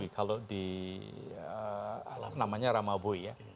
kalau di namanya rama bui ya